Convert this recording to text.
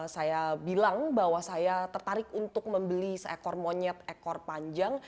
saya bilang bahwa saya tertarik untuk membeli seekor monyet ekor panjang